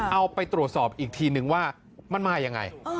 เอาไปตรวจสอบอีกทีนึงว่ามันมายังไง